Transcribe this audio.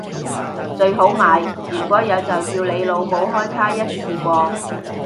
最好買如果有就叫你老母開卡一次過